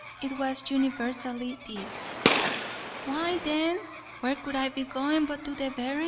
It was universally this "Why, then, where would I be goin' but to the berrin'?"